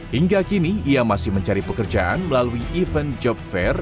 hingga kini ia masih mencari pekerjaan melalui event job fair